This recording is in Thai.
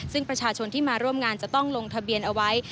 ซึ่งประชาชนที่มาร่วมงานจะต้องลงทะเบียนเอาไว้